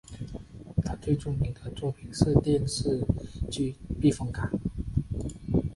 他最著名的作品是电视剧避风港。